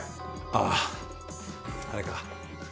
あぁあれか。